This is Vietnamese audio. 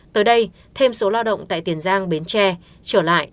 tới đây thêm số lao động tại tiền giang bến tre trở lại